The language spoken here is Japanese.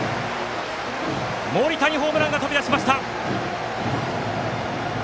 森田にホームランが飛び出しました！